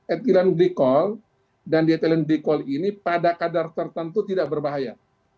etilen glikol dan dietilen glikol ini pada kadar tertentu tidak berbahaya